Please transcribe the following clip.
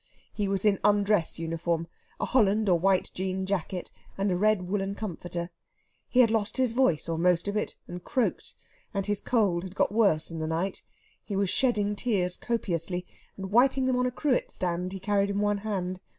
He was in undress uniform a holland or white jean jacket, and a red woollen comforter. He had lost his voice, or most of it, and croaked; and his cold had got worse in the night. He was shedding tears copiously, and wiping them on a cruet stand he carried in one hand.